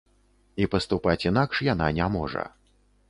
І паступаць інакш яна не можа.